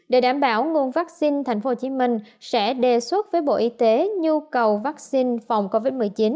để đảm bảo nguồn vaccine tp hcm sẽ đề xuất với bộ y tế nhu cầu vaccine phòng covid một mươi chín